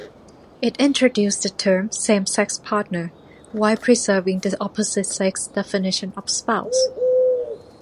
It introduced the term "same-sex partner", while preserving the opposite-sex definition of "spouse".